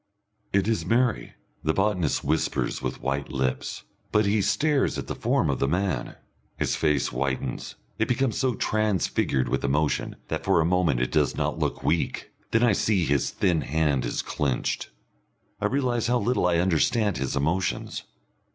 "It is Mary," the botanist whispers with white lips, but he stares at the form of the man. His face whitens, it becomes so transfigured with emotion that for a moment it does not look weak. Then I see that his thin hand is clenched. I realise how little I understand his emotions.